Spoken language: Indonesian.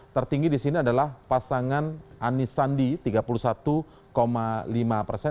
tertinggi di sini adalah pasangan anis sandi tiga puluh satu lima persen